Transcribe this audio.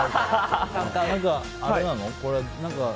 あれなの？